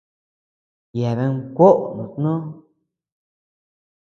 Yeabean kuoʼo nutnó.